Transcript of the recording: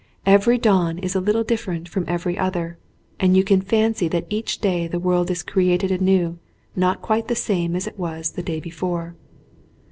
Every dawn is a little different from every other, and you can fancy that each day the world is created anew not quite the same as it was the day before.